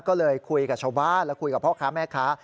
ก็เลยคุยกับชาวบ้านและคุยกับพ่อค้าแม่ค้า